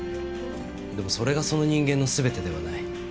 でもそれがその人間の全てではない。